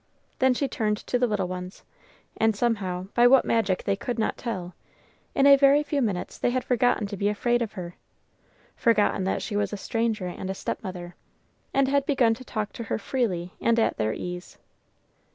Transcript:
Then she turned to the little ones, and somehow, by what magic they could not tell, in a very few minutes they had forgotten to be afraid of her, forgotten that she was a stranger and a stepmother, and had begun to talk to her freely and at their ease.